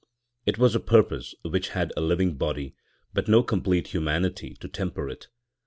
It was a purpose, which had a living body, but no complete humanity to temper it.